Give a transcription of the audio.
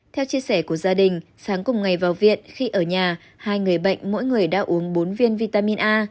theo chia sẻ của gia đình sáng cùng ngày vào viện khi ở nhà hai người bệnh mỗi người đã uống bốn viên vitamin a